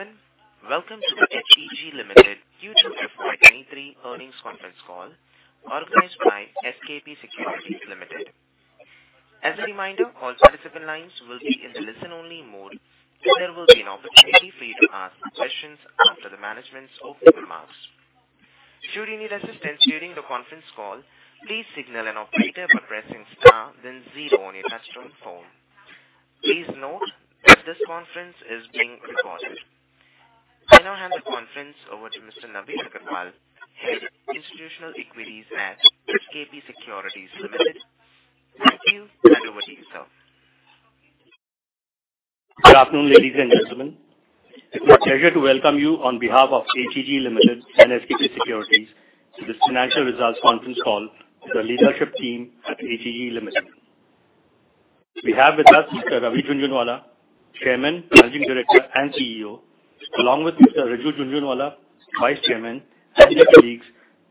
Ladies and gentlemen, welcome to the HEG Limited Q2 FY 2023 earnings conference call organized by SKP Securities Limited. As a reminder, all participant lines will be in listen-only mode, and there will be an opportunity for you to ask questions after the management's opening remarks. Should you need assistance during the conference call, please signal an operator by pressing star then zero on your touchtone phone. Please note that this conference is being recorded. I now hand the conference over to Mr. Navin B. Agrawal, Head Institutional Equities at SKP Securities Limited. Thank you, and over to you, sir. Good afternoon, ladies and gentlemen. It's my pleasure to welcome you on behalf of HEG Limited and SKP Securities to this financial results conference call of the leadership team at HEG Limited. We have with us Mr. Ravi Jhunjhunwala, Chairman, Managing Director, and CEO, along with Mr. Riju Jhunjhunwala, Vice Chairman, and their colleagues,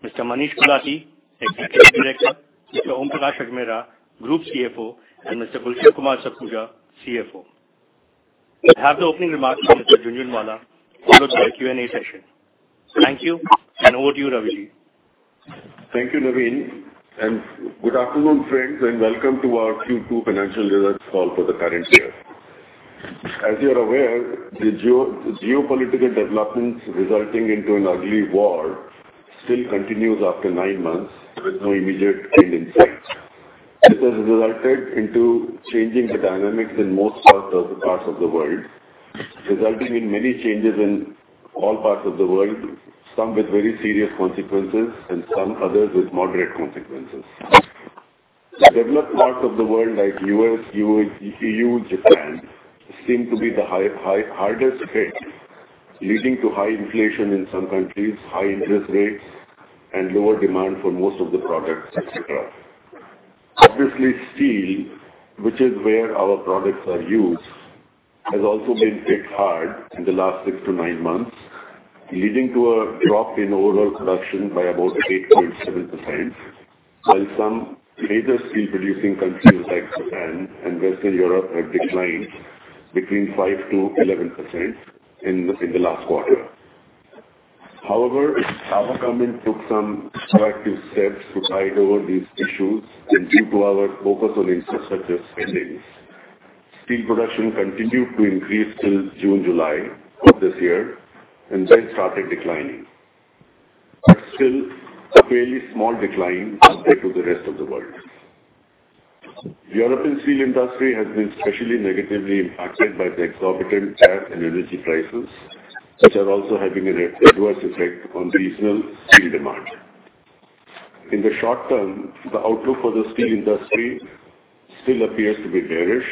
Mr. Manish Gulati, Executive Director, Mr. Om Prakash Ajmera, Group CFO, and Mr. Gulshan Kumar Sakhuja, CFO. We'll have the opening remarks from Mr. Jhunjhunwala, followed by a Q&A session. Thank you, and over to you, Ravi. Thank you, Navin, and good afternoon, friends, and welcome to our Q2 financial results call for the current year. As you're aware, the geopolitical developments resulting into an ugly war still continues after nine months with no immediate end in sight. This has resulted into changing the dynamics in most parts of the world, resulting in many changes in all parts of the world, some with very serious consequences and some others with moderate consequences. Developed parts of the world like U.S., EU, Japan seem to be the hardest hit, leading to high inflation in some countries, high interest rates, and lower demand for most of the products, et cetera. Obviously, steel, which is where our products are used, has also been hit hard in the last six-nine months, leading to a drop in overall production by about 8.7%. While some major steel-producing countries like Japan and Western Europe have declined between 5%-11% in the last quarter. However, our government took some proactive steps to tide over these issues, and due to our focus on infrastructure spendings, steel production continued to increase till June, July of this year and then started declining. Still a fairly small decline compared to the rest of the world. European steel industry has been especially negatively impacted by the exorbitant gas and energy prices, which are also having an adverse effect on regional steel demand. In the short term, the outlook for the steel industry still appears to be bearish.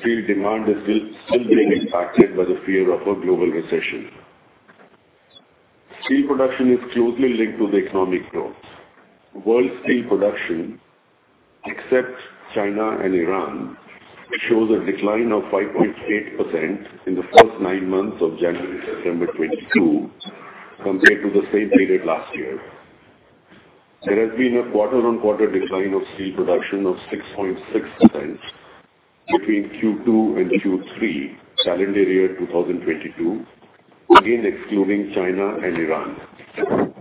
Steel demand is still being impacted by the fear of a global recession. Steel production is closely linked to the economic growth. World steel production, except China and Iran, shows a decline of 5.8% in the first nine months of January to September 2022 compared to the same period last year. There has been a quarter-on-quarter decline of steel production of 6.6% between Q2 and Q3 calendar year 2022, again excluding China and Iran.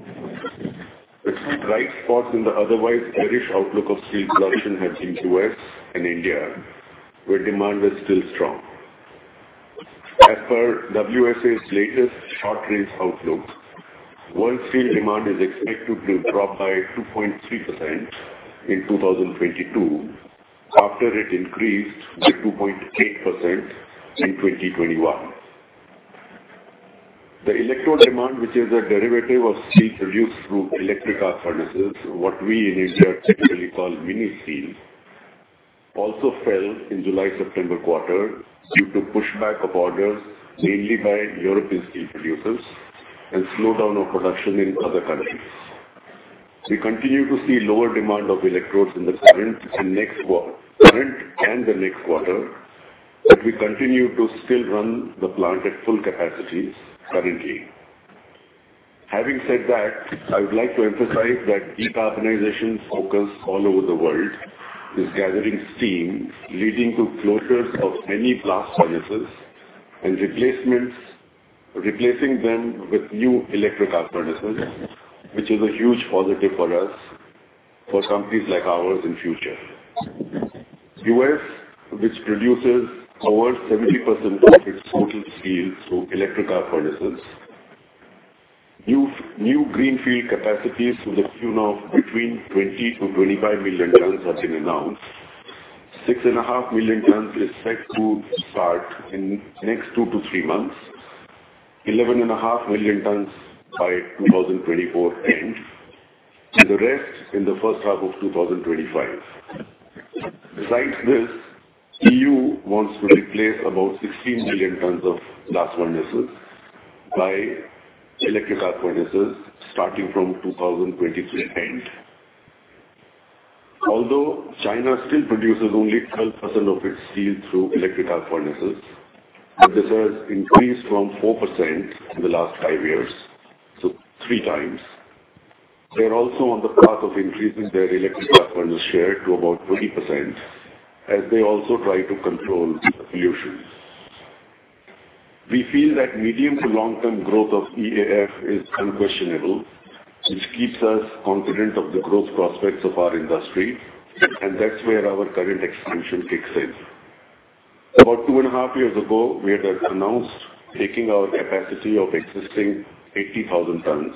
The bright spots in the otherwise bearish outlook of steel production have been U.S. and India, where demand is still strong. As per WSA's latest short range outlook, world steel demand is expected to drop by 2.3% in 2022, after it increased by 2.8% in 2021. The electrode demand, which is a derivative of steel produced through electric arc furnaces, what we in India typically call mini steel, also fell in July-September quarter due to pushback of orders mainly by European steel producers and slowdown of production in other countries. We continue to see lower demand of electrodes in the current and the next quarter, but we continue to still run the plant at full capacities currently. Having said that, I would like to emphasize that decarbonization focus all over the world is gathering steam, leading to closures of many blast furnaces and replacing them with new electric arc furnaces, which is a huge positive for companies like ours in future. U.S., which produces over 70% of its total steel through electric arc furnaces, new greenfield capacities to the tune of between 20 million-25 million tons have been announced. 6.5 million tons is set to start in next two to three months, 11.5 million tons by 2024 end, and the rest in the first half of 2025. Besides this, EU wants to replace about 16 million tons of blast furnaces by electric arc furnaces starting from 2023 end. Although China still produces only 12% of its steel through electric arc furnaces, but this has increased from 4% in the last five years, so three times. They're also on the path of increasing their electric arc furnace share to about 20% as they also try to control the pollutions. We feel that medium to long term growth of EAF is unquestionable, which keeps us confident of the growth prospects of our industry, and that's where our current expansion kicks in. About two and a half years ago, we had announced taking our capacity of existing 80,000 tons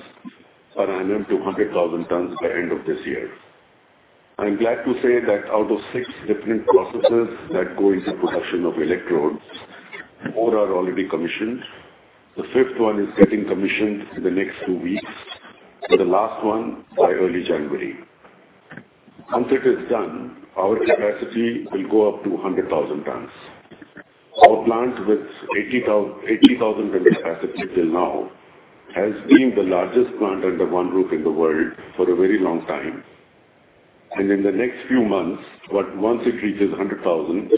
per annum to 100,000 tons by end of this year. I'm glad to say that out of six different processes that go into production of electrodes, four are already commissioned. The fifth one is getting commissioned in the next two weeks. The last one by early January. Once it is done, our capacity will go up to 100,000 tons. Our plant with 80,000 ton capacity till now has been the largest plant under one roof in the world for a very long time. In the next few months, but once it reaches 100,000,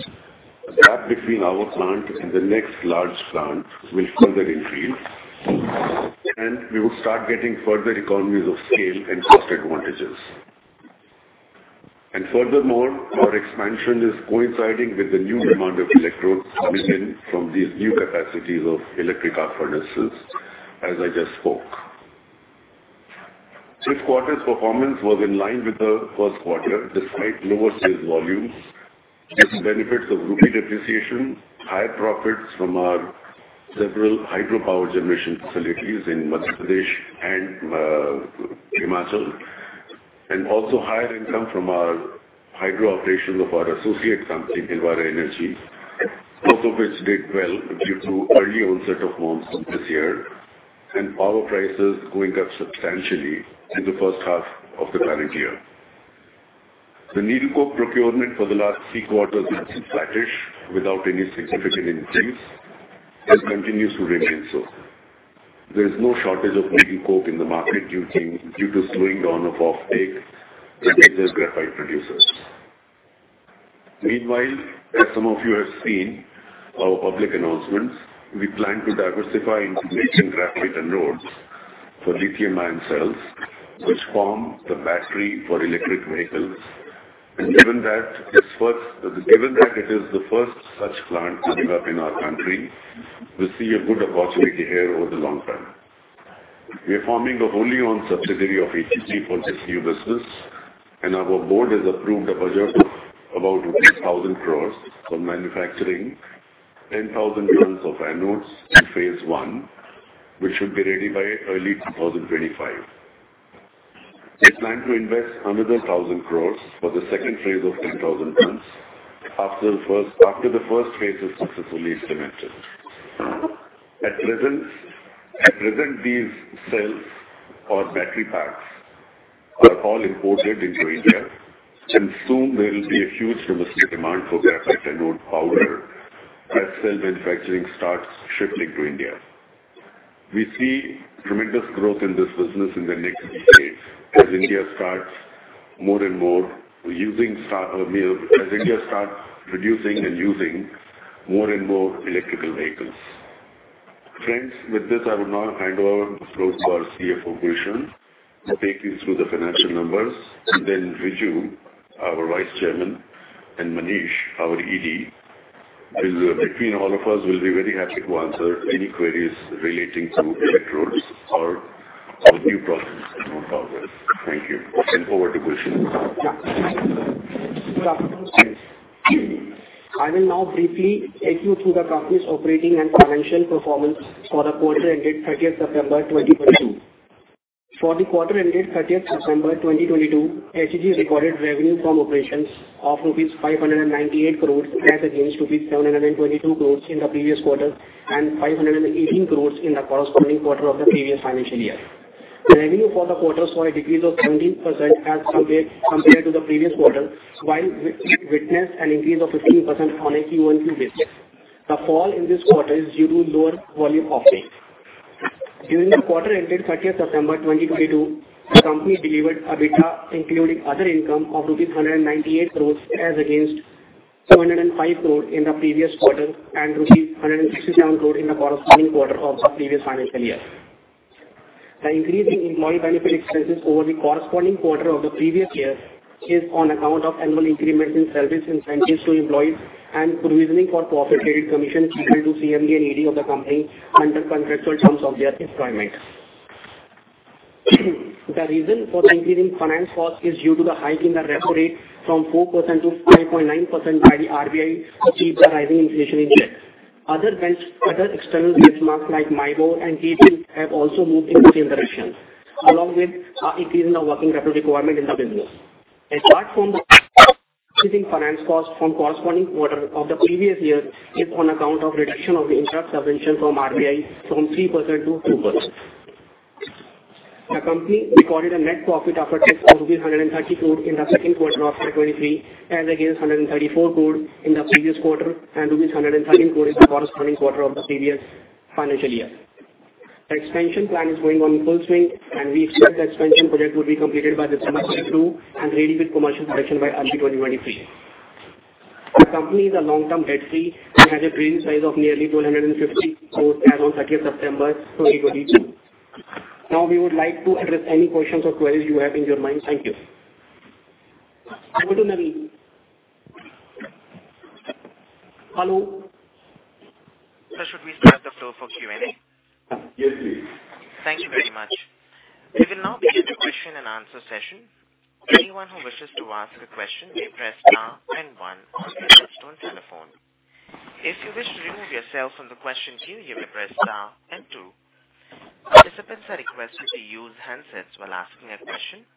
the gap between our plant and the next large plant will further increase, and we will start getting further economies of scale and cost advantages. Furthermore, our expansion is coinciding with the new demand of electrodes coming in from these new capacities of electric arc furnaces, as I just spoke. This quarter's performance was in line with the first quarter, despite lower sales volumes. The benefits of rupee depreciation, higher profits from our several hydropower generation facilities in Madhya Pradesh and Himachal, and also higher income from our hydro operations of our associate company, Bhilwara Energy, both of which did well due to early onset of monsoon this year and power prices going up substantially in the first half of the current year. The needle coke procurement for the last three quarters has been flattish without any significant increase and continues to remain so. There is no shortage of needle coke in the market due to slowing down of offtake with various graphite producers. Meanwhile, as some of you have seen our public announcements, we plan to diversify into making graphite anodes for lithium-ion cells, which form the battery for electric vehicles. Given that it is the first such plant to be up in our country, we see a good opportunity here over the long term. We are forming a wholly owned subsidiary of HEG for this new business, and our board has approved a budget of about 1,000 crores for manufacturing 10,000 tons of anodes in phase I, which should be ready by early 2025. We plan to invest another 1,000 crore for the second phase of 10,000 tons after the first phase is successfully implemented. At present, these cells or battery packs are all imported into India, and soon there will be a huge domestic demand for graphite anode powder as cell manufacturing starts shifting to India. We see tremendous growth in this business in the next decades as India starts producing and using more and more electrical vehicles. Friends, with this, I would now hand over the floor to our CFO, Gulshan Kumar Sakhuja, to take you through the financial numbers. Riju Jhunjhunwala, our Vice Chairman, and Manish Gulati, our ED. Between all of us, we'll be very happy to answer any queries relating to electrodes or our new process going forward. Thank you. Over to Gulshan Kumar Sakhuja. Yeah. Good afternoon. I will now briefly take you through the company's operating and financial performance for the quarter ended 30th September 2022. For the quarter ended 30th September 2022, HEG recorded revenue from operations of rupees 598 crores as against rupees 722 crores in the previous quarter and 518 crores in the corresponding quarter of the previous financial year. The revenue for the quarter saw a decrease of 17% as compared to the previous quarter, while we witnessed an increase of 15% on a QOQ basis. The fall in this quarter is due to lower volume offtake. During the quarter ended 30th September 2022, the company delivered EBITDA including other income of rupees 198 crores as against 705 crore in the previous quarter and rupees 169 crore in the corresponding quarter of the previous financial year. The increase in employee benefit expenses over the corresponding quarter of the previous year is on account of annual increments in service and salaries to employees and provisioning for profit related commission payable to CMD and ED of the company under contractual terms of their employment. The reason for the increase in finance cost is due to the hike in the repo rate from 4%-5.9% by the RBI to achieve the rising inflation index. Other external benchmarks like MIBOR and G-Sec have also moved in the same direction, along with our increase in the working capital requirement in the business. Apart from increasing finance cost from corresponding quarter of the previous year is on account of reduction of the interest subvention from RBI from 3% to 2%. The company recorded a net profit after tax of 130 crore in the second quarter of 2023, as against 134 crore in the previous quarter and 113 crore in the corresponding quarter of the previous financial year. The expansion plan is going on in full swing, and we expect the expansion project will be completed by December 2022 and ready with commercial production by March 2023. Our company is long-term debt-free and has a treasury size of nearly 250 crores as on 30th September 2022. Now we would like to address any questions or queries you have in your mind. Thank you. Over to Navin. Hello. Sir, should we start the floor for Q&A? Yes, please. Thank you very much. We will now begin the question and answer session. Anyone who wishes to ask a question may press star and one on your touch-tone telephone. If you wish to remove yourself from the question queue, you may press star and two. Participants are requested to use handsets while asking a question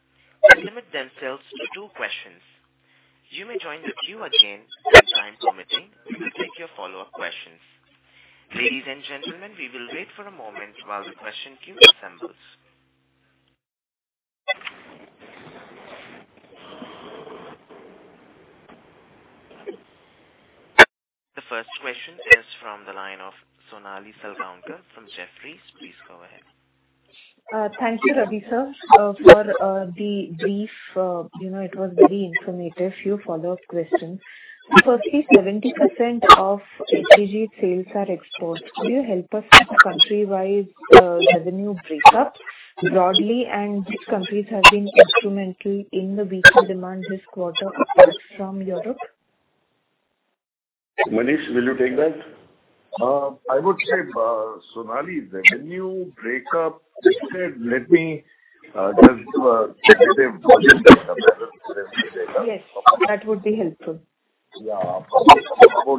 and limit themselves to two questions. You may join the queue again, and time permitting, we will take your follow-up questions. Ladies and gentlemen, we will wait for a moment while the question queue assembles. The first question is from the line of Sonali Salgaonkar from Jefferies. Please go ahead. Thank you, Ravi Sir, for the brief. You know, it was very informative. Few follow-up questions. Firstly, 70% of HEG sales are exports. Could you help us with the country-wide revenue breakups broadly, and which countries have been instrumental in the weaker demand this quarter apart from Europe? Manish, will you take that? I would say, Sonali, the revenue breakup, instead let me just do a geographic breakup data. Yes, that would be helpful. Yeah. About,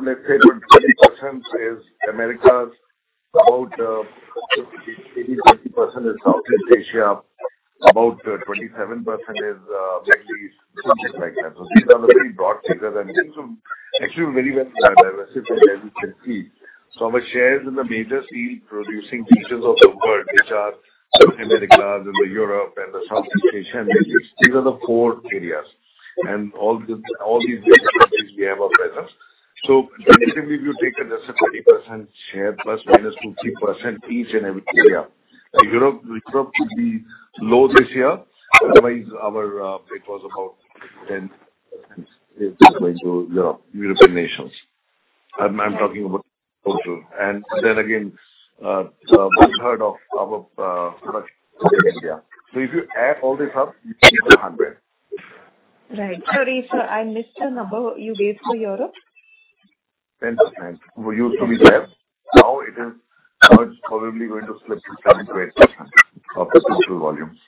let's say, 20% is Americas, about 50%-80% is Southeast Asia, about 27% is Middle East, something like that. These are the very broad figures and things are actually very well diversified as you can see. Our shares in the major steel producing regions of the world, which are South Americas and the Europe and the Southeast Asian regions. These are the core areas and all these different countries we have a presence. Traditionally, if you take it as a 20% share, ± 2%-3% each in every area. Europe will be low this year. Otherwise, it was about 10% is going to Europe, European nations. I'm talking about total. Again, one-third of our production is in India. If you add all this up, you get 100. Right. Sorry, sir, I missed the number you gave for Europe. 10%. We used to be there. Now it's probably going to slip to 7%-8% of the total volumes.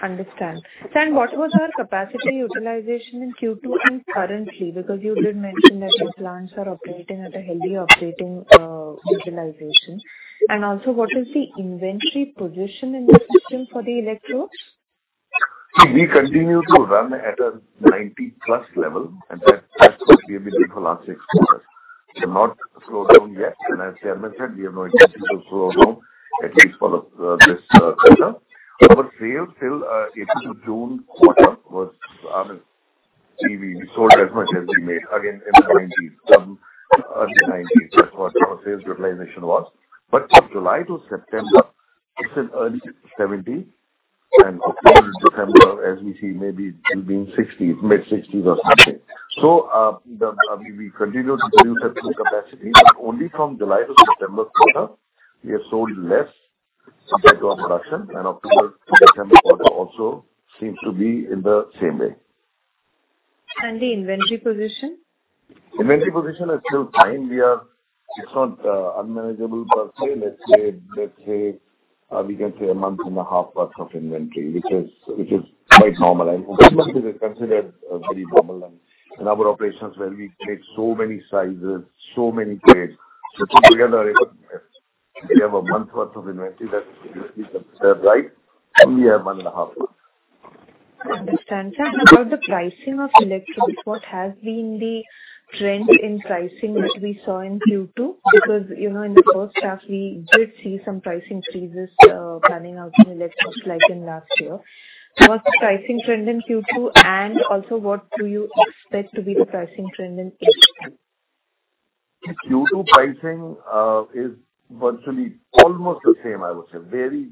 Understand. Sir, what was our capacity utilization in Q2 and currently? Because you did mention that your plants are operating at a healthy operating utilization. Also, what is the inventory position in this system for the electrodes? We continue to run at a 90+ level, and that's what we have been doing for last six quarters. We have not slowed down yet. As I mentioned, we have no intention to slow down at least for this quarter. Our sales till April to June quarter was, I mean, we sold as much as we made, again in the 90s, some early 90s. That's what our sales realization was. July to September, it's in early 70. October to December as we see maybe it will be in 60, mid-60s or something. We continue to produce at full capacity, but only from July to September quarter we have sold less compared to our production. October to December quarter also seems to be in the same way. The inventory position? Inventory position is still fine. It's not unmanageable per se. Let's say we can say a month and a half worth of inventory, which is quite normal. I think a month is considered very normal. Our operations where we create so many sizes, so many grades. To be on the other end, we have a month worth of inventory that we consider right, and we have a month and a half. Understand. Sir, about the pricing of electrodes, what has been the trend in pricing which we saw in Q2? Because, you know, in the first half we did see some pricing freezes panning out in electrodes like in last year. What's the pricing trend in Q2? What do you expect to be the pricing trend in H2? Q2 pricing is virtually almost the same, I would say. Very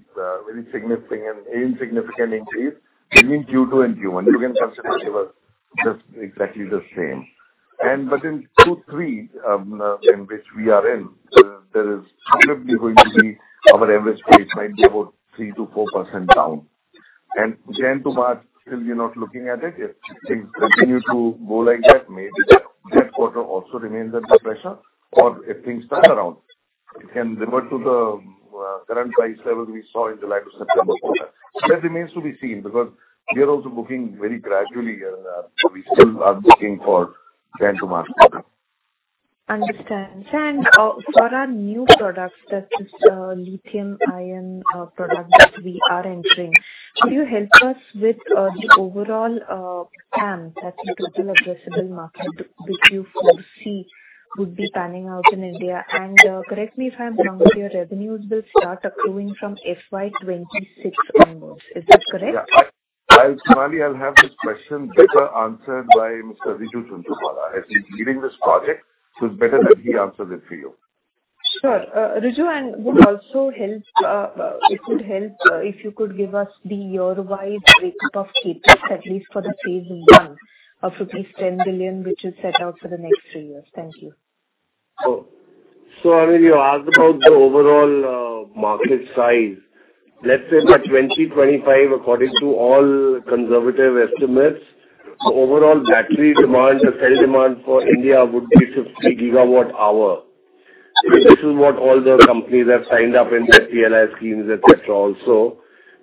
insignificant increase between Q2 and Q1. You can consider it was just exactly the same. In 2023, in which we are in, our average price might be about 3%-4% down. January to March, still we are not looking at it. If things continue to go like that, maybe that quarter also remains under pressure. If things turn around, it can revert to the current price level we saw in July to September quarter. That remains to be seen because we are also booking very gradually. We still are booking for January to March quarter. Understand. Sir, for our new products, that is, lithium-ion product that we are entering, could you help us with the overall TAM, that's the total addressable market which you foresee would be panning out in India? Correct me if I'm wrong, but your revenues will start accruing from FY 2026 onwards. Is this correct? Yeah. I... Sonali, I'll have this question better answered by Mr. Riju Jhunjhunwala, as he's leading this project, so it's better that he answers it for you. Sure. Riju, it would also help if you could give us the year-wise breakup of CapEx, at least for the phase I of rupees 10 billion which is set out for the next three years. Thank you. I mean, you asked about the overall market size. Let's say by 2025, according to all conservative estimates, the overall battery demand or cell demand for India would be 50 GWh. This is what all the companies have signed up in their DLI schemes, et cetera, also.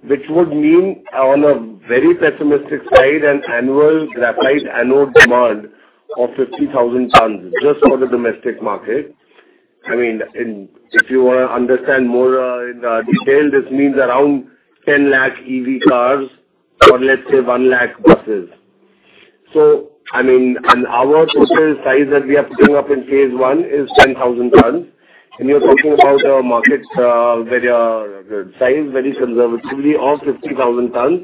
Which would mean on a very pessimistic side, an annual graphite anode demand of 50,000 tons just for the domestic market. I mean, and if you wanna understand more in detail, this means around 10 lakh E.V. cars or let's say 1 lakh buses. I mean, and our total size that we are putting up in phase I is 10,000 tons. You're talking about a market size very conservatively of 50,000 tons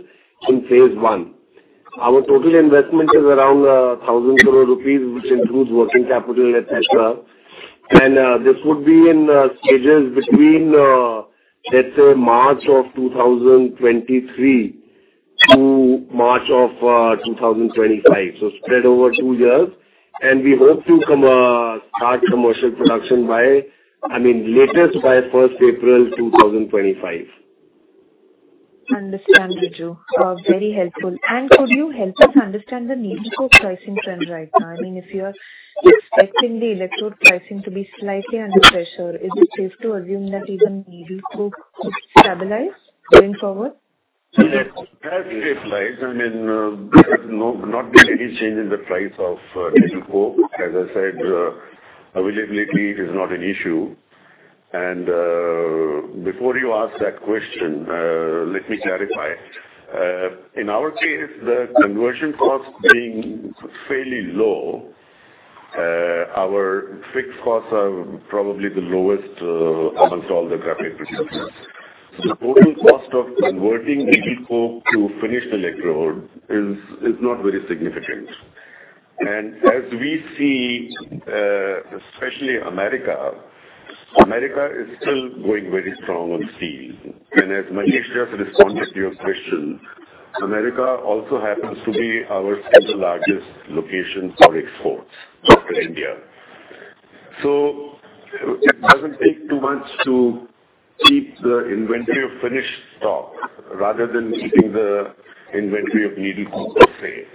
in phase I. Our total investment is around 1,000 crore rupees, which includes working capital, et cetera. This would be in stages between, let's say, March of 2023 to March of 2025. Spread over two years. We hope to start commercial production by, I mean, latest by first April 2025. Understand, Riju. Very helpful. Could you help us understand the needle coke pricing trend right now? I mean, if you are expecting the electrode pricing to be slightly under pressure, is it safe to assume that even needle coke could stabilize going forward? That's a fair place. I mean, there has not been any change in the price of needle coke. As I said, availability is not an issue. Before you ask that question, let me clarify. In our case, the conversion cost being fairly low, our fixed costs are probably the lowest amongst all the graphite producers. The total cost of converting needle coke to finished electrode is not very significant. As we see, especially America is still going very strong on steel. As Manish just responded to your question, America also happens to be our second-largest location for exports after India. It doesn't take too much to keep the inventory of finished stock rather than keeping the inventory of needle coke safe.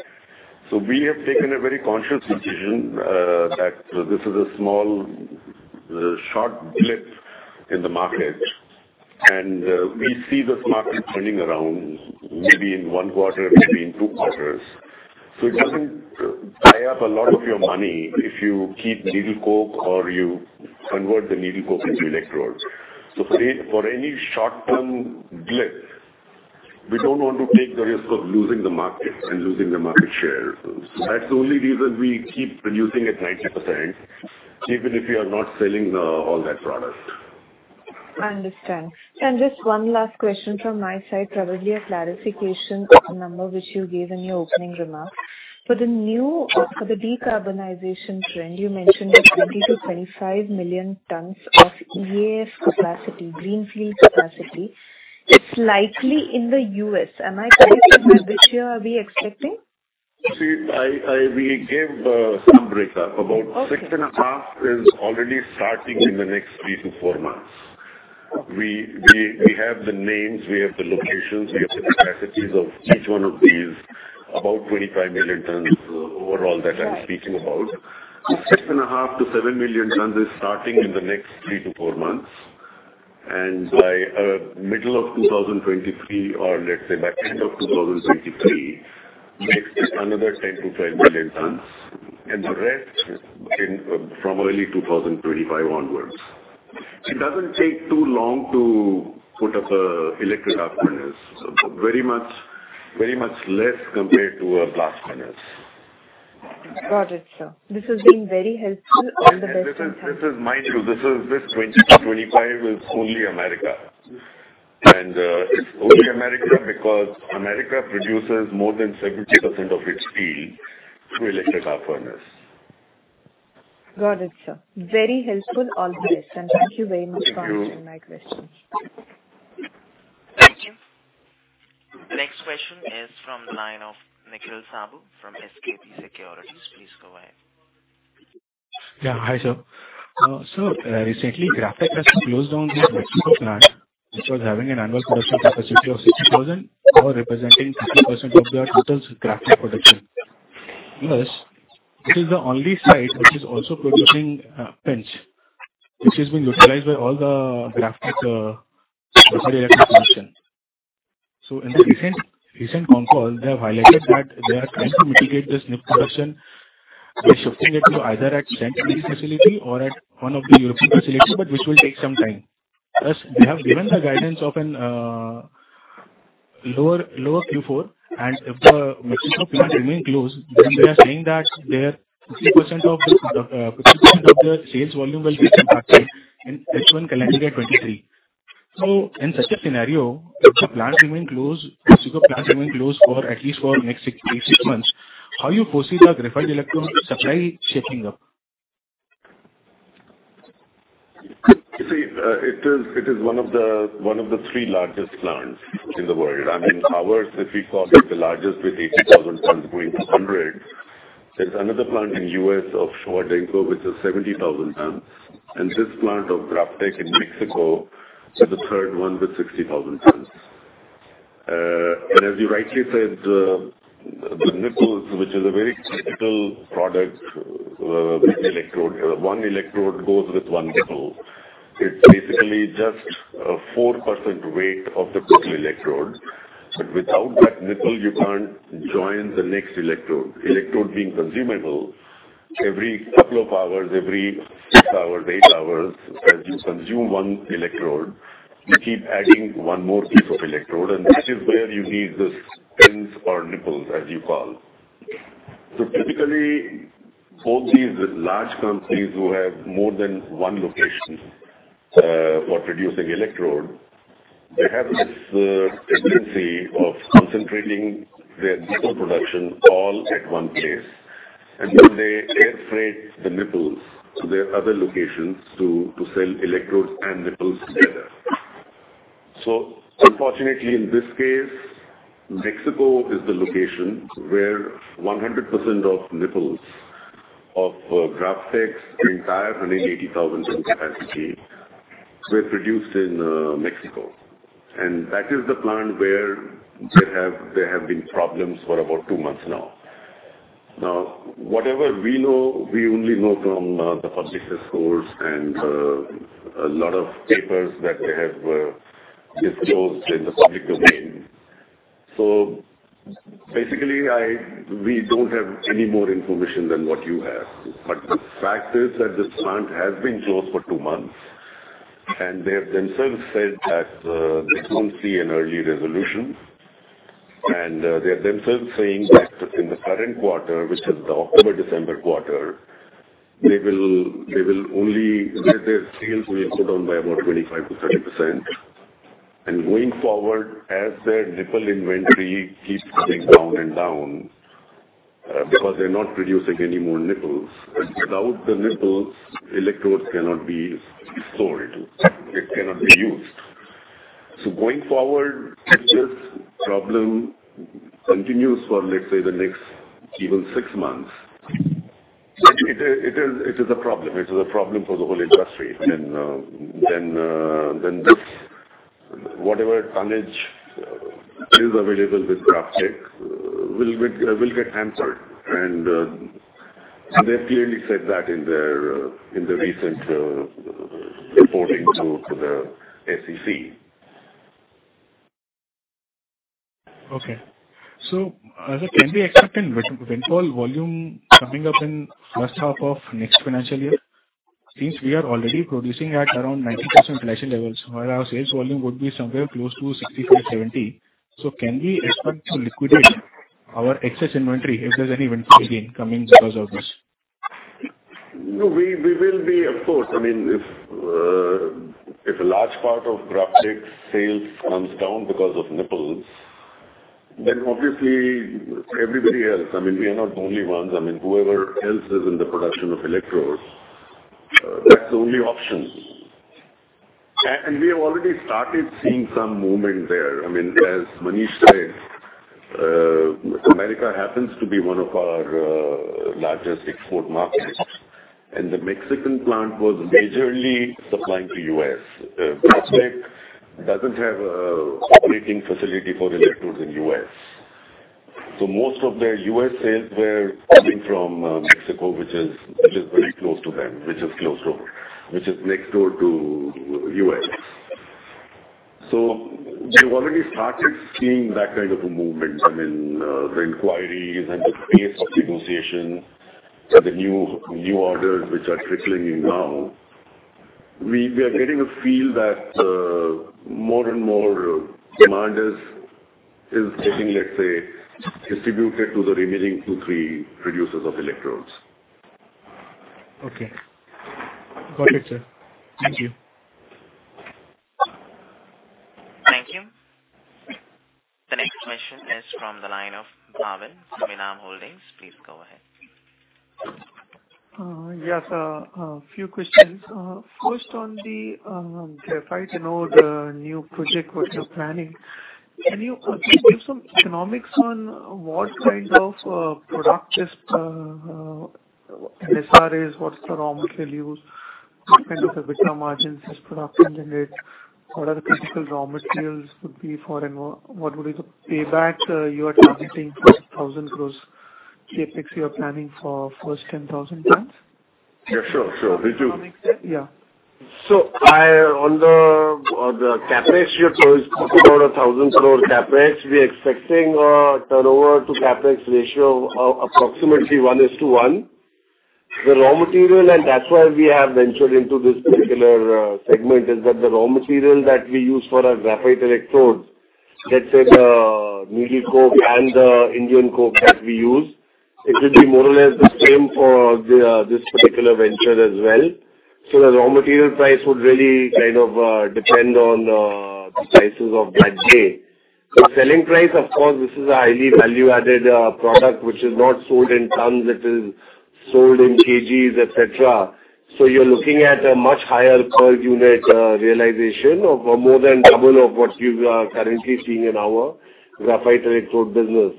We have taken a very conscious decision that this is a small, short blip in the market. We see this market turning around maybe in one quarter, maybe in two quarters. It doesn't tie up a lot of your money if you keep needle coke or you convert the needle coke into electrodes. For any short-term blip, we don't want to take the risk of losing the market and losing the market share. That's the only reason we keep producing at 90%, even if you are not selling all that product. Understand. Just one last question from my side, probably a clarification on a number which you gave in your opening remarks. For the decarbonization trend, you mentioned 20 million-25 million tons of EAF capacity, greenfield capacity. It's likely in the U.S. Am I correct? By which year are we expecting? See, we gave some breakup. Okay. About 6.5 is already starting in the next three to four months. We have the names, we have the locations, we have the capacities of each one of these. About 25 million tons overall that I'm speaking about. 6.5 to 7 million tons is starting in the next three to four months. By middle of 2023 or let's say by end of 2023, next is another 10 to 12 million tons. The rest from early 2025 onwards. It doesn't take too long to put up a electric arc furnace. Very much less compared to a blast furnace. Got it, sir. This has been very helpful. All the best. Mind you, this 20-25 is only America. It's only America because America produces more than 70% of its steel through electric arc furnace. Got it, sir. Very helpful. All the best. Thank you. Thank you very much for answering my questions. Thank you. Next question is from the line of Nikhil Saboo from SKP Securities. Please go ahead. Yeah. Hi, sir. Sir, recently GrafTech has closed down their Mexico plant which was having an annual production capacity of 60,000 or representing 60% of their total graphite production. Plus, this is the only site which is also producing pitch, which is being utilized by all the GrafTech's battery electric division. In the recent con call, they have highlighted that they are trying to mitigate this nipple production by shifting it to either at St. Louis facility or at one of the European facilities, but which will take some time. Plus, they have given the guidance of a lower Q4. If the Mexico plant remain closed, then they are saying that their 50% of their sales volume will be impacted in H1 calendar year 2023. In such a scenario, if the Mexico plant remain closed for at least next six months, how you foresee the graphite electrode supply shaping up? You see, it is one of the three largest plants in the world. I mean, ours, if you call it the largest with 80,000 tons going to 100. There is another plant in U.S. of Showa Denko which is 70,000 tons. This plant of GrafTech in Mexico is the third one with 60,000 tons. As you rightly said, the nipples, which is a very critical product with electrode. One electrode goes with one nipple. It is basically just a 4% weight of the total electrode. Without that nipple, you cannot join the next electrode. Electrode being consumable every couple of hours, every six hours, eight hours, as you consume one electrode, you keep adding one more piece of electrode. That is where you need this pins or nipples as you call. Typically, all these large companies who have more than one location for producing electrode, they have this tendency of concentrating their nipple production all at one place. They air freight the nipples to their other locations to sell electrodes and nipples together. Unfortunately, in this case, Mexico is the location where 100% of nipples of GrafTech's entire 180,000 ton capacity were produced in Mexico. That is the plant where there have been problems for about two months now. Now, whatever we know, we only know from the public source and a lot of papers that they have disclosed in the public domain. Basically, we don't have any more information than what you have. The fact is that this plant has been closed for two months, and they have themselves said that they don't see an early resolution. They are themselves saying that in the current quarter, which is the October-December quarter, their sales will go down by about 25%-30%. Going forward, as their nipple inventory keeps coming down and down, because they're not producing any more nipples, without the nipples, electrodes cannot be stored. It cannot be used. Going forward, if this problem continues for, let's say, the next even six months, it is a problem. It is a problem for the whole industry. This whatever tonnage is available with GrafTech will get canceled. They clearly said that in their recent reporting to the SEC. Okay. Can we expect an inventory volume coming up in first half of next financial year? Since we are already producing at around 90% capacity levels, while our sales volume would be somewhere close to 65%-70%, can we expect to liquidate our excess inventory if there's any inventory gain coming because of this? No, we will be of course. I mean, if a large part of GrafTech's sales comes down because of nipples, then obviously everybody else, I mean, we are not the only ones. I mean, whoever else is in the production of electrodes, that's the only option. We have already started seeing some movement there. I mean, as Manish said, America happens to be one of our largest export markets, and the Mexican plant was majorly supplying to U.S. GrafTech doesn't have a operating facility for electrodes in U.S. Most of their U.S. sales were coming from Mexico, which is very close to them, which is close over, which is next door to U.S. We've already started seeing that kind of a movement. I mean, the inquiries and the pace of negotiation, the new orders which are trickling in now, we are getting a feel that more and more demand is getting, let's say, distributed to the remaining two-three producers of electrodes. Okay. Got it, sir. Thank you. Thank you. The next question is from the line of Bhavin Chheda, Enam Holdings. Please go ahead. Yes, a few questions. First on the graphite anode new project what you're planning. Can you give some economics on what kind of product just NSR is? What's the raw material used? What kind of EBITDA margins this product will generate? What are the critical raw materials to be for and what would be the payback you are targeting for 1,000 gross CapEx you are planning for first 10,000 tons? Yeah, sure, Riju. Yeah. On the CapEx, you're talking about 1,000 crore CapEx. We're expecting a turnover to CapEx ratio of approximately 1/1. The raw material, and that's why we have ventured into this particular segment, is that the raw material that we use for our graphite electrodes. Let's say the needle coke and the Indian coke that we use, it will be more or less the same for this particular venture as well. The raw material price would really kind of depend on the prices of that day. The selling price, of course, this is a highly value-added product which is not sold in tons. It is sold in KGs, etc. You're looking at a much higher per unit realization of more than double of what you are currently seeing in our graphite electrode business.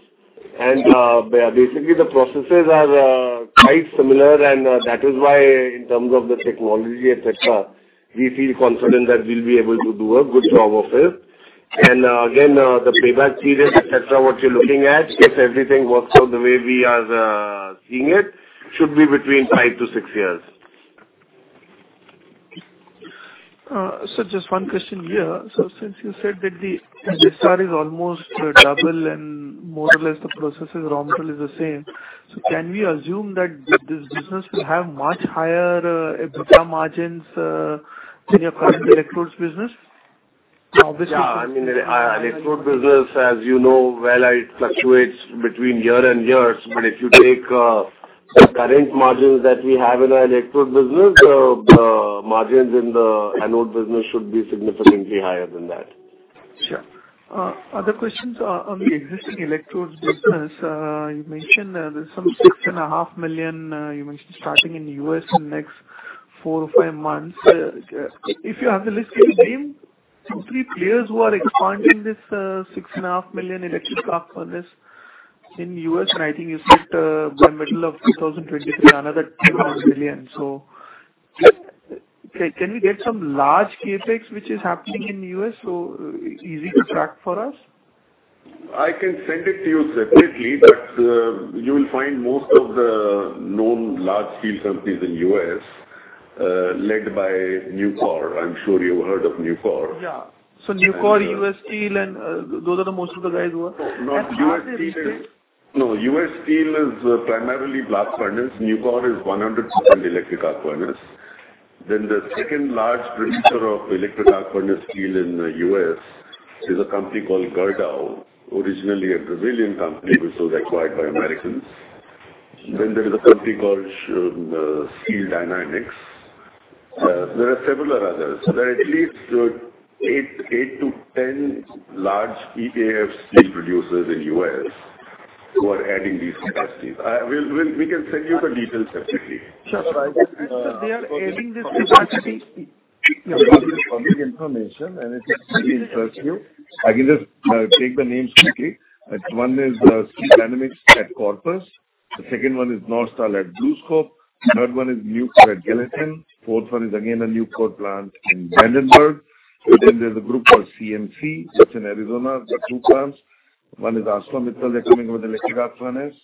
Basically, the processes are quite similar, and that is why in terms of the technology, etc., we feel confident that we'll be able to do a good job of it. Again, the payback period, etc., what you're looking at, if everything works out the way we are seeing it, should be between five to six years. Just one question here. Since you said that the NSR is almost double and more or less the process raw material is the same, so can we assume that this business will have much higher EBITDA margins than your current electrodes business? Yeah. I mean, an electrode business, as you know well, it fluctuates between year and years. If you take the current margins that we have in our electrode business, the margins in the anode business should be significantly higher than that. Sure. Other questions on the existing electrodes business. You mentioned there's some six and a half million starting in the U.S. in next four or five months. If you have the list, can you name two, three players who are expanding this six and a half million electric arc furnace in U.S.? I think you said by middle of 2023, another two and a half million. Can we get some large CapEx which is happening in U.S., so easy to track for us? I can send it to you separately, but you will find most of the known large steel companies in U.S., led by Nucor. I'm sure you've heard of Nucor. Yeah. Nucor, U.S. Steel, and those are the most of the guys who are. No, U.S. Steel is. Are they listed? No, U.S. Steel is primarily blast furnace. Nucor is 100% electric arc furnace. The second large producer of electric arc furnace steel in the U.S. is a company called Gerdau, originally a Brazilian company which was acquired by Americans. There is a company called Steel Dynamics. There are several others. There are at least eight-10 large EAF steel producers in U.S. who are adding these capacities. We can send you the details separately. Sure. They are adding this capacity. This is public information, and it will really interest you. I can just take the names quickly. One is Steel Dynamics at Corpus. The second one is North Star BlueScope. Third one is Nucor at Gallatin. Fourth one is again a Nucor plant in Brandenburg. There's a group called CMC. It's in Arizona. They've got two plants. One is ArcelorMittal. They're coming with electric arc furnace.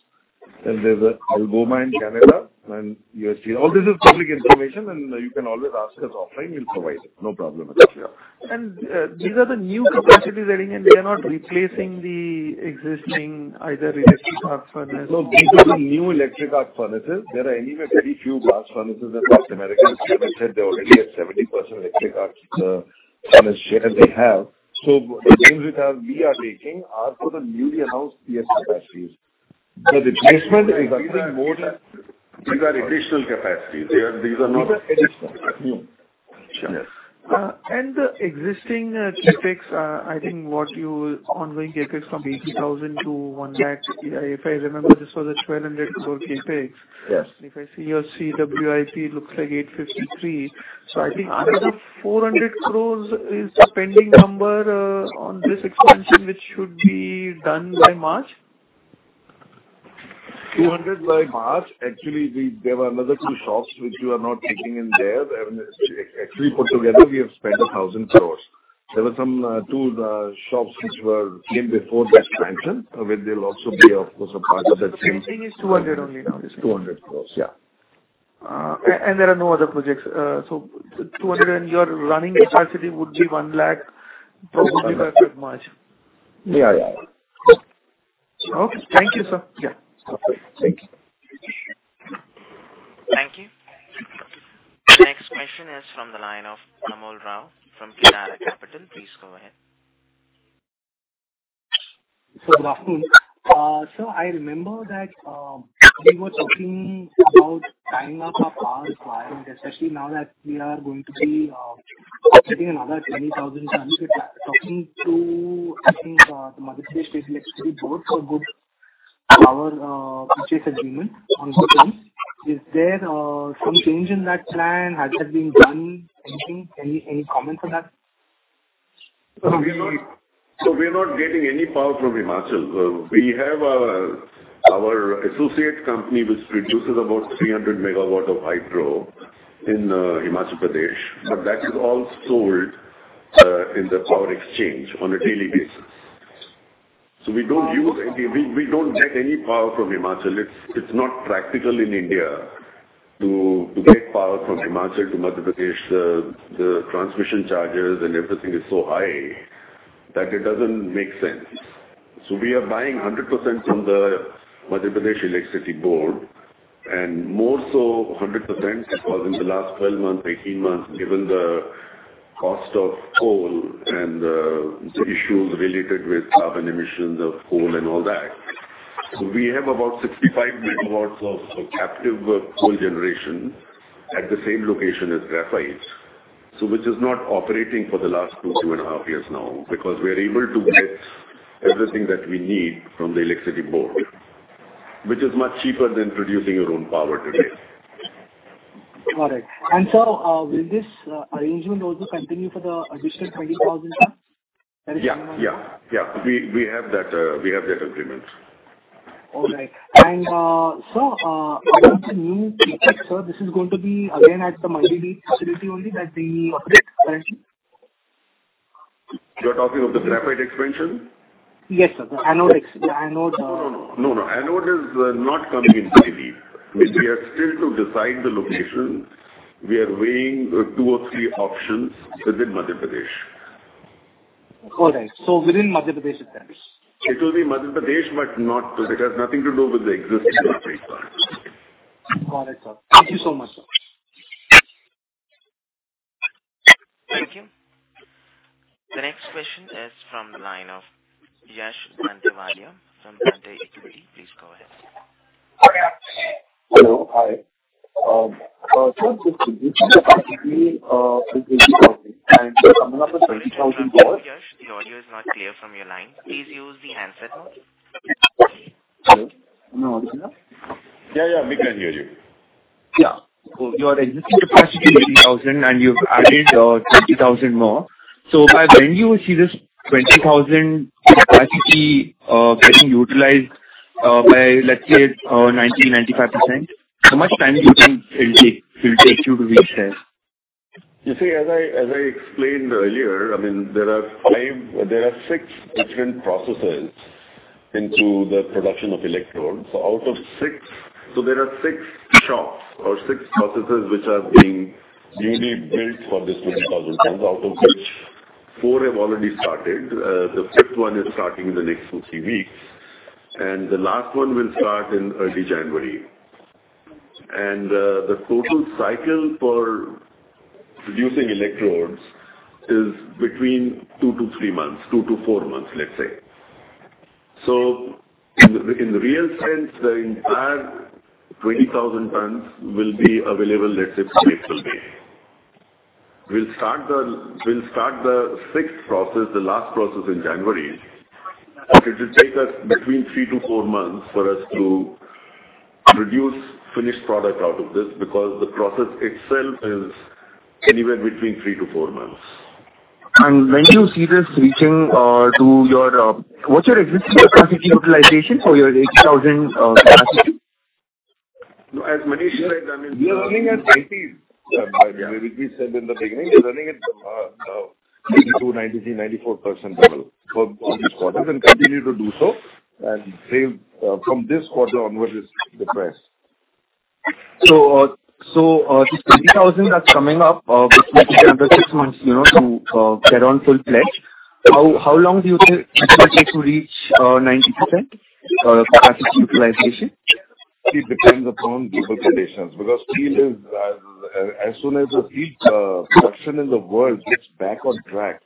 There's Algoma in Canada and U.S. Steel. All this is public information, and you can always ask us offline. We'll provide it. No problem at all. Yeah. These are the new capacities adding, and they are not replacing the existing either electric arc furnace. No, these are the new electric arc furnaces. There are anyway very few blast furnaces in North America. As Ravi Jhunjhunwala said, they already have 70% electric arc furnace share they have. The gains which we are taking are for the newly announced U.S. capacities. These are additional capacities. These are additional. Sure. Yes. The existing CapEx, I think ongoing CapEx from 80,000 to 1 lakh, if I remember, this was an 1,200 crore CapEx. Yes. If I see your CWIP, looks like 853. I think another 400 crores is the spending number on this expansion, which should be done by March. 200 by March. Actually, there were another two shops which you are not taking in there. Actually, put together, we have spent 1,000 crores. There were some two shops which were in before the expansion, where they'll also be, of course, a part of that. The spending is 200 only now. 200 crores, yeah. There are no other projects. 200 and your running capacity would be 1 lac probably by mid-March. Yeah, yeah. Okay. Thank you, sir. Yeah. Okay. Thank you. Thank you. The next question is from the line of Amol Rao from Kitara Capital. Please go ahead. Good afternoon. I remember that we were talking about tying up our power requirement, especially now that we are going to be getting another 20,000 tons. We're talking to, I think, the Madhya Pradesh State Electricity Board for good power purchase agreement long-term. Is there some change in that plan? Has that been done? Anything, any comment on that? We're not getting any power from Himachal. We have our associate company which produces about 300 MW of hydro in Himachal Pradesh, but that is all sold in the power exchange on a daily basis. We don't get any power from Himachal. It's not practical in India to get power from Himachal to Madhya Pradesh. The transmission charges and everything is so high that it doesn't make sense. We are buying 100% from the Madhya Pradesh Electricity Board, and more so 100% because in the last 12 months, 18 months, given the cost of coal and the issues related with carbon emissions of coal and all that. We have about 65 MW of captive coal generation at the same location as graphite. Which is not operating for the last two and a half years now because we are able to get everything that we need from the Electricity Board, which is much cheaper than producing your own power today. Got it. Will this arrangement also continue for the additional 20,000 ton? Yeah. We have that agreement. All right. This is going to be again at the Mandideep facility. Correct. -expansion? You're talking of the graphite expansion? Yes, sir. The anode. No, no. Anode is not coming in Mandideep. We are still to decide the location. We are weighing two or three options within Madhya Pradesh. All right. Within Madhya Pradesh then. It will be Madhya Pradesh. It has nothing to do with the existing graphite plant. Got it, sir. Thank you so much, sir. Thank you. The next question is from the line of Yash Dantewadia from Dante Equity. Please go ahead. Hello. Hi. Yash, your audio is not clear from your line. Please use the handset mode. Hello. Am I audible now? Yeah. We can hear you. Yeah. Your existing capacity is 80,000, and you've added 20,000 more. By when you see this 20,000 capacity getting utilized by let's say 90%-95%, how much time do you think it'll take you to reach there? You see, as I explained earlier, I mean, there are six different processes into the production of electrodes. There are six shops or six processes which are being newly built for this 20,000 tons, out of which four have already started. The fifth one is starting in the next two, three weeks, and the last one will start in early January. The total cycle for producing electrodes is between two to three months, two to four months, let's say. In the real sense, the entire 20,000 tons will be available, let's say, flexible base. We'll start the sixth process, the last process in January. It'll take us between three to four months for us to produce finished product out of this because the process itself is anywhere between three to four months. What's your existing capacity utilization for your 80,000 capacity? As Manish said, I mean. We are running at 90. As Ravi Jhunjhunwala said in the beginning, we're running at 92%, 93%, 94% level for all these quarters and continue to do so. They from this quarter onwards is the best. This 20,000 that's coming up, it will take another six months, you know, to get on full fledge. How long do you think it will take to reach 90% capacity utilization? See, it depends upon global conditions because as soon as the steel production in the world gets back on track,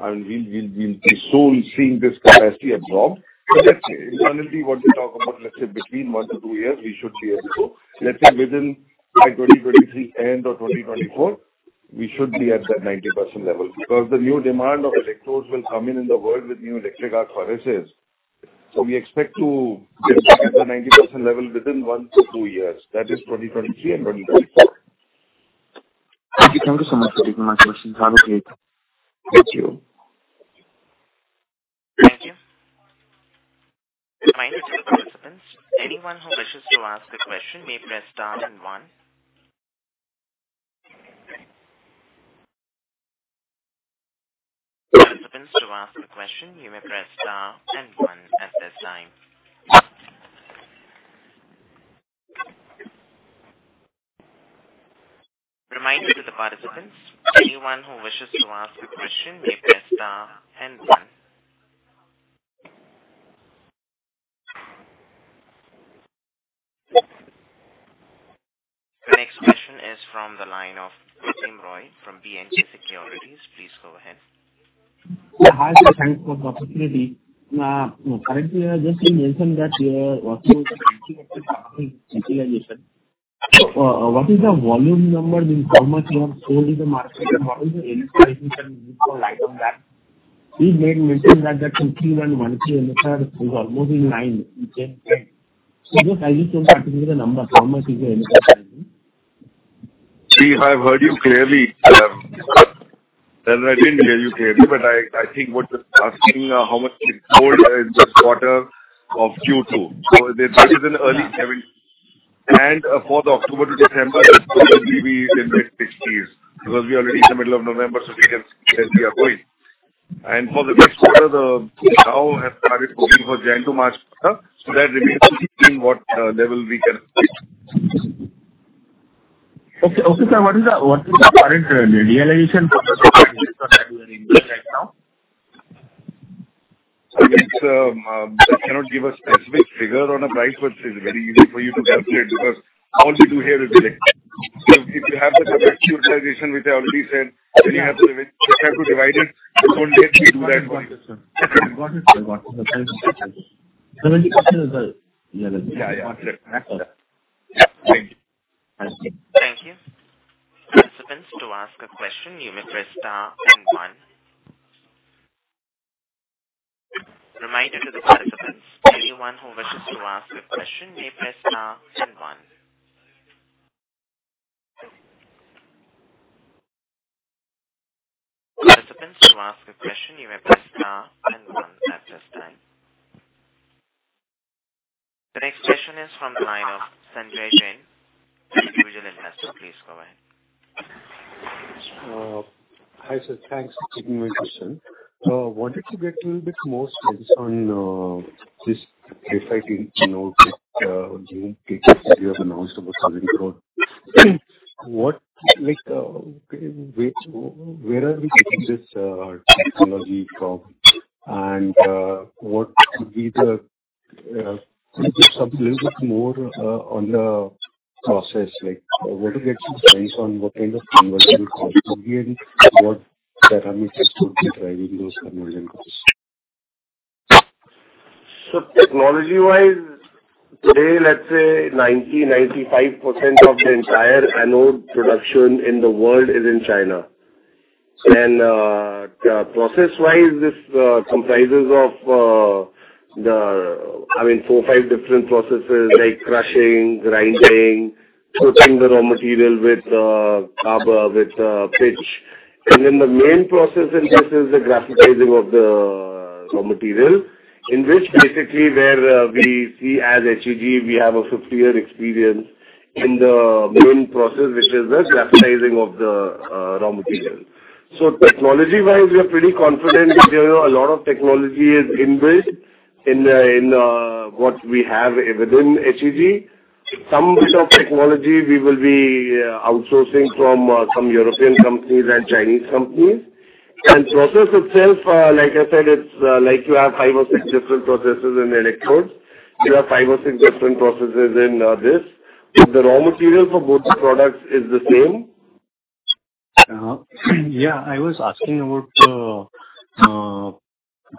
and we'll be soon seeing this capacity absorbed. Let's say finally what we talk about, let's say between one-two years we should be able to. Let's say within by 2023 end or 2024, we should be at that 90% level because the new demand of electrodes will come in in the world with new electric arc furnaces. We expect to get back at the 90% level within one-two years. That is 2023 and 2024. Thank you so much for taking my questions. Have a great day. Thank you. Thank you. Reminder to the participants, anyone who wishes to ask a question may press star and one. Participants, to ask a question you may press star and one at this time. Reminder to the participants, anyone who wishes to ask a question may press star and one. The next question is process? Like, what are the expenses on what kind of conversion costs will be and what dynamics could be driving those conversion costs? Technology-wise today, let's say 90%-95% of the entire anode production in the world is in China. Process-wise, this comprises of I mean, four-five different processes like crushing, grinding, coating the raw material with carbon, with pitch. The main process in this is the graphitizing of the raw material, in which basically where we see as HEG, we have a 50-year experience in the main process, which is the graphitizing of the raw material. Technology-wise, we are pretty confident because, you know, a lot of technology is inbuilt in what we have within HEG. Some bit of technology we will be outsourcing from some European companies and Chinese companies. Process itself, like I said, it's like you have five-six different processes in electrodes. You have five or six different processes in this. The raw material for both the products is the same. Yeah. I was asking about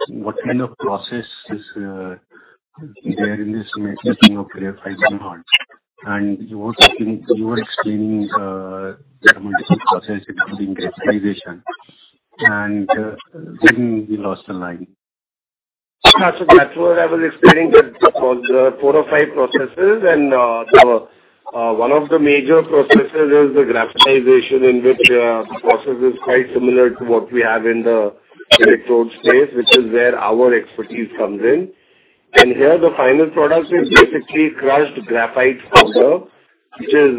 what kind of process is there in this making of graphite anode. You also think you were explaining thermal process including graphitization. We lost the line. Yeah. That's what I was explaining, that was four or five processes. One of the major processes is the graphitization in which the process is quite similar to what we have in the electrode space, which is where our expertise comes in. Here the final product is basically crushed graphite powder, which is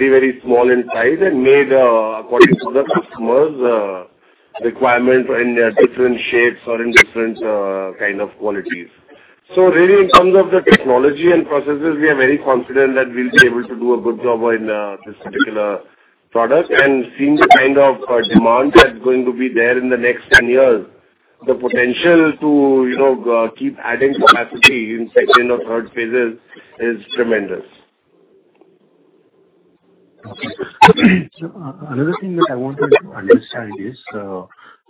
very small in size and made according to the customer's requirements in different shapes or in different kind of qualities. Really, in terms of the technology and processes, we are very confident that we'll be able to do a good job in this particular product. Seeing the kind of demand that's going to be there in the next 10 years, the potential to, you know, keep adding capacity in second or third phases is tremendous. Okay. Another thing that I wanted to understand is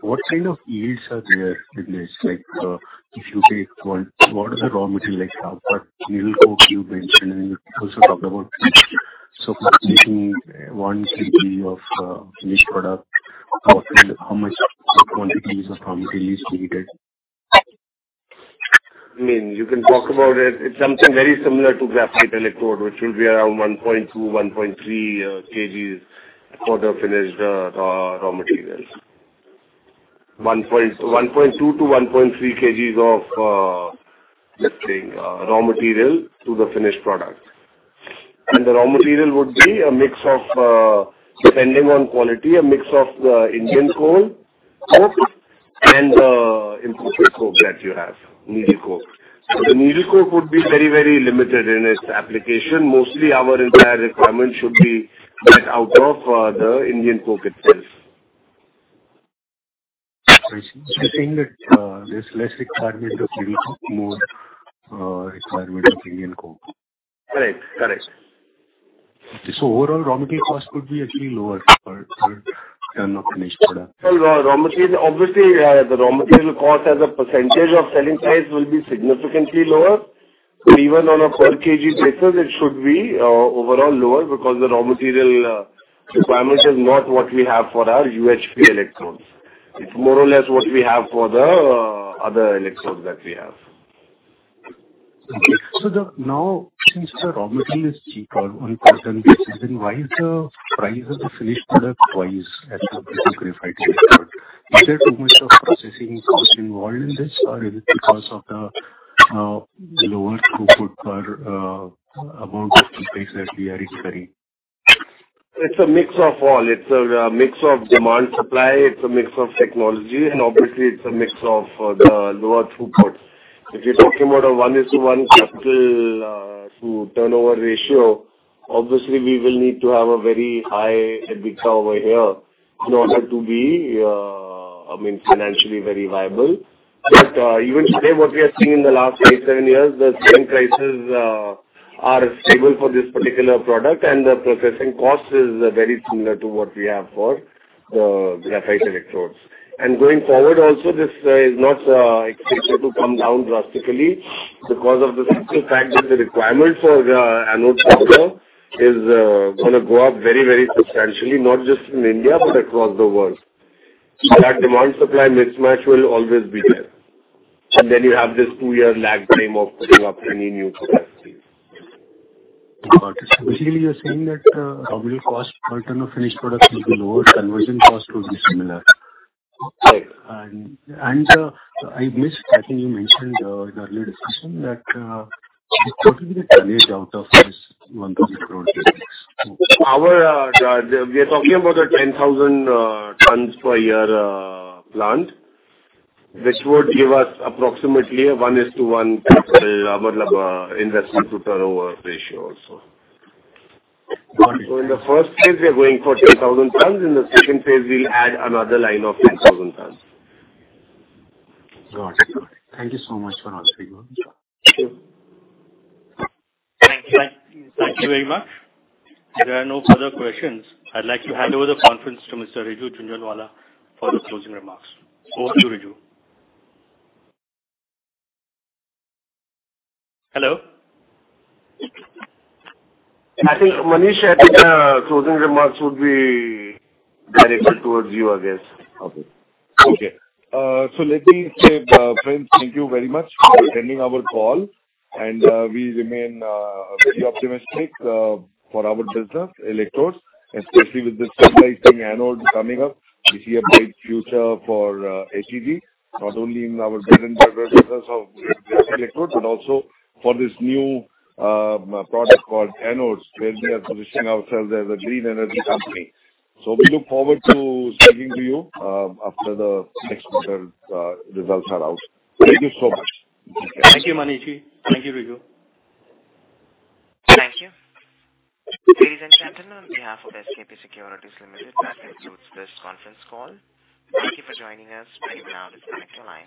what kind of yields are there with this? Like, if you take what is the raw material like coke, needle coke you mentioned, and you also talked about pitch. For making 1 kg of finished product, how much quantities of raw material is needed? I mean, you can talk about it. It's something very similar to graphite electrode, which will be around 1.2 kg, 1.3 kg for the finished raw material. 1.2 kg-1.3 kg of, let's say, raw material to the finished product. The raw material would be a mix of, depending on quality, a mix of Indian coke and imported coke that you have, needle coke. The needle coke would be very limited in its application. Mostly our entire requirement should be met out of the Indian coke itself. So you're saying that, uh, there's less requirement of needle coke, more, uh, requirement of Indian coke. Correct. Correct. Okay. Overall raw material cost could be actually lower per ton of finished product. Well, raw material, obviously, the raw material cost as a percentage of selling price will be significantly lower. Even on a per kg basis, it should be overall lower because the raw material requirement is not what we have for our UHP electrodes. It's more or less what we have for the other electrodes that we have. Now, since the raw material is cheap on percentage, then why is the price of the finished product 2x as compared to graphite electrode? Is there too much of processing cost involved in this, or is it because of the lower throughput per amount of capacity that we are expecting? It's a mix of all. It's a mix of demand, supply, it's a mix of technology, and obviously it's a mix of the lower throughput. If you're talking about a 1/1 capital to turnover ratio, obviously we will need to have a very high EBITDA over here in order to be, I mean, financially very viable. Even today, what we have seen in the last six-seven years, the selling prices are stable for this particular product and the processing cost is very similar to what we have for the graphite electrodes. Going forward also, this is not expected to come down drastically because of the simple fact that the requirement for the anode powder is gonna go up very, very substantially, not just in India, but across the world. That demand-supply mismatch will always be there. You have this two-year lag time of putting up any new capacity. Got it. Basically you're saying that probably cost per ton of finished product will be lower, conversion cost will be similar. Right. I missed, I think you mentioned in the earlier discussion that what will be the tonnage out of this 1,000 ton capacity? We are talking about a 10,000 tons per year plant, which would give us approximately a 1/1 capital investment to turnover ratio also. Got it. In the first phase we are going for 10,000 tons. In the second phase we'll add another line of 10,000 tons. Got it. Thank you so much for answering. Yeah. Thank you. Thank you very much. If there are no further questions, I'd like to hand over the conference to Mr. Riju Jhunjhunwala for the closing remarks. Over to you, Riju. Hello. I think, Manish, I think the closing remarks would be directed towards you, I guess. Okay. Okay. Let me say, friends, thank you very much for attending our call, and we remain very optimistic for our business electrodes, especially with this stabilizing anode coming up. We see a bright future for HEG, not only in our bread and butter business of graphite electrodes, but also for this new product called anodes, where we are positioning ourselves as a green energy company. We look forward to speaking to you after the next quarter results are out. Thank you so much. Thank you, Manish. Thank you, Riju. Thank you. Ladies and gentlemen, on behalf of SKP Securities Limited, that concludes this conference call. Thank you for joining us. You may now disconnect your lines.